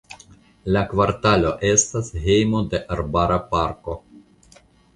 Le kvartalo estas hejmo de arbara parko.